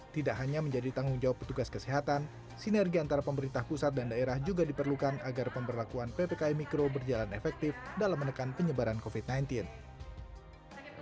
tidak hanya menjadi tanggung jawab petugas kesehatan sinergi antara pemerintah pusat dan daerah juga diperlukan agar pemberlakuan ppkm mikro berjalan efektif dalam menekan penyebaran covid sembilan belas